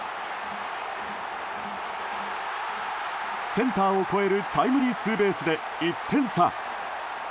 センターを越えるタイムリーツーベースで１点差。